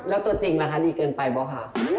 แล้วตัวจริงล่ะคะดีเกินไปเปล่าคะ